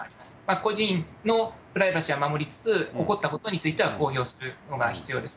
個人のプライバシーは守りつつ、起こったことについては公表するのが必要です。